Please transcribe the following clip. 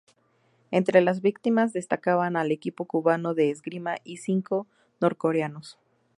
Entre las víctimas destacaban al equipo cubano de esgrima y cinco norcoreanos.